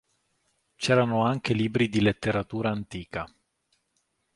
C'erano anche libri di letteratura antica.